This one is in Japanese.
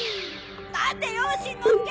待てよしんのすけ！